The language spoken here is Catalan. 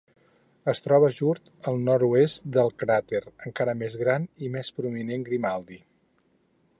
Es troba just al nord-oest del cràter encara més gran i més prominent Grimaldi.